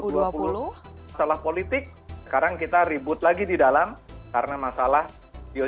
masalah politik sekarang kita ribut lagi di dalam karena masalah